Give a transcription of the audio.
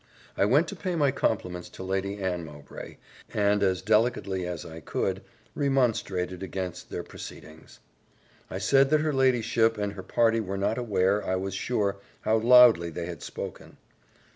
I went to pay my compliments to Lady Anne Mowbray, and, as delicately as I could, remonstrated against their proceedings. I said that her ladyship and her party were not aware, I was sure, how loudly they had spoken.